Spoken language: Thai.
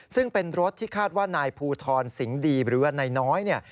ซึ่งเป็นรถที่คาดว่านายภูทรสิงห์ดีหรือว่านายน้อยเนี่ย